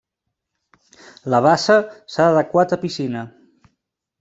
La bassa s'ha adequat a piscina.